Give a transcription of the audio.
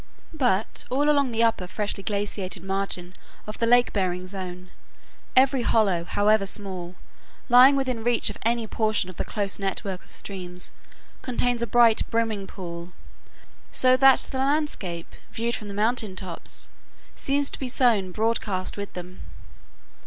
But all along the upper freshly glaciated margin of the lake bearing zone, every hollow, however small, lying within reach of any portion of the close network of streams, contains a bright, brimming pool; so that the landscape viewed from the mountain tops seems to be sown broadcast with them.